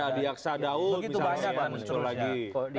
ada adi aksa daud misalnya